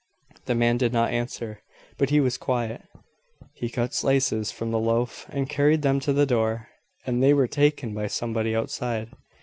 The man did not answer, but he was quiet. He cut slices from the loaf, and carried them to the door, and they were taken by somebody outside.